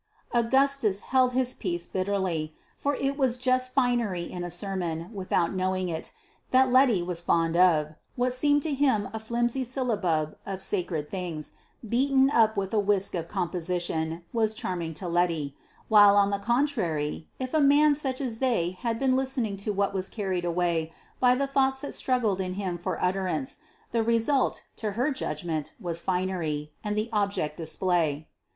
Augustus held his peace bitterly. For it was just finery in a sermon, without knowing it, that Letty was fond of: what seemed to him a flimsy syllabub of sacred things, beaten up with the whisk of composition, was charming to Letty; while, on the contrary, if a man such as they had been listening to was carried away by the thoughts that struggled in him for utterance, the result, to her judgment, was finery, and the object display.